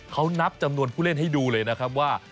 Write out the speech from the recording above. เขานับจำนวนผู้เล่นให้ดูเลยนะครับว่า